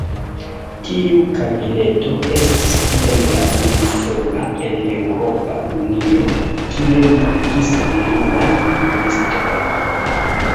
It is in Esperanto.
Tiu kabineto estis tiam la unusola en Eŭropa Unio, kie mankis virinaj ministroj.